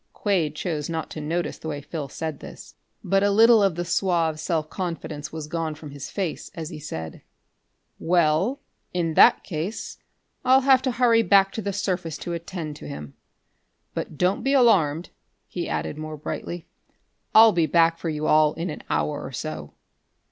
Quade chose not to notice the way Phil said this, but a little of the suave self confidence was gone from his face as he said: "Well, in that case I'll have to hurry back to the surface to attend to him. But don't be alarmed," he added, more brightly. "I'll be back for you all in an hour or so."